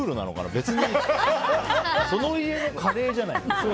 別にその家のカレーじゃないの？